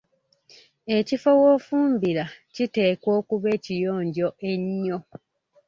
Ekifo w‘ofumbira kiteekwa okuba ekiyonjo ennyo.